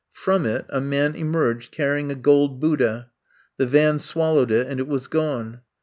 From it a man emerged carrying a gold Buddha ; the van swallowed it, and it was gone.